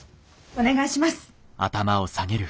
お願いします。